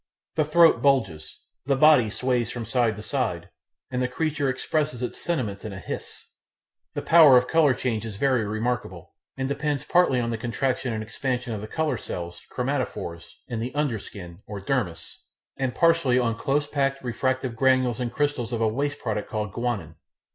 The throat bulges; the body sways from side to side; and the creature expresses its sentiments in a hiss. The power of colour change is very remarkable, and depends partly on the contraction and expansion of the colour cells (chromatophores) in the under skin (or dermis) and partly on close packed refractive granules and crystals of a waste product called guanin.